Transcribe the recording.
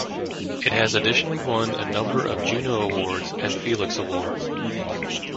It has additionally won a number of Juno Awards and Felix Awards.